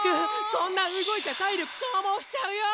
そんな動いちゃ体力消耗しちゃうよ！